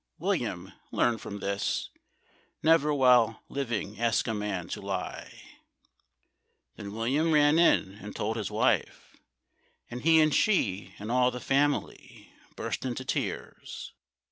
William, learn from this Never while living ask a man to lie." Then William ran in and told his wife, And he and she and all the family Burst into tears.